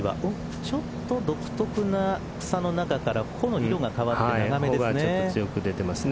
ちょっと独特な草の中から穂の色が変わって長めですね。